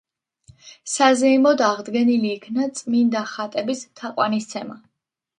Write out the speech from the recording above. საზეიმოდ აღდგენილი იქნა წმინდა ხატების თაყვანისცემა.